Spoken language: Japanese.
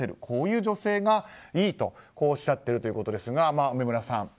こういう女性がいいとおっしゃっているということですが梅村さん